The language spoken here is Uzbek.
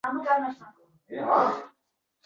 Lekin savol berish uchun ham ma’lum ma’noda ilm kerak.